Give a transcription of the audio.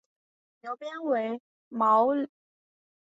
牛扁为毛茛科乌头属下的一个变种。